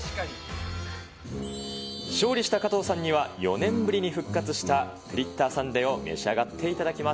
勝利した加藤さんには、４年ぶりに復活したクリッターサンデーを召し上がっていただきま